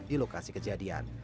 di lokasi kejadian